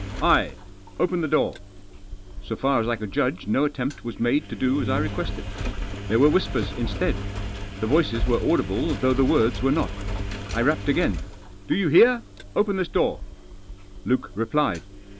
" I ! Open the door." So far as I eoijld jiidge no attempt was made to dp ^s I requested. There were whispers instead. The voices were audible though the words were not. I rapped again. (i Po you hear ? open this door !" J^uke replied.